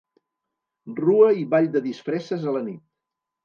Rua i ball de disfresses a la nit.